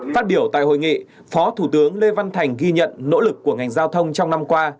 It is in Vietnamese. phát biểu tại hội nghị phó thủ tướng lê văn thành ghi nhận nỗ lực của ngành giao thông trong năm qua